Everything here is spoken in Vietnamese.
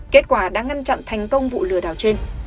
kết quả đã ngăn chặn thành công vụ lừa đảo trên